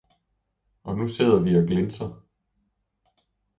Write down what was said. Og nu sidder vi og glinser!